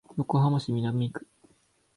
横浜市南区